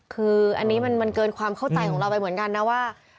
คืออันนี้มันเกินความเข้าใจของเราไปเหมือนกันนะว่า